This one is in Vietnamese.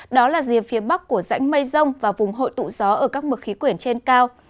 đó là rìa phía bắc của rãnh mây rông và vùng hội tụ gió ở các mực khí quyển trên cao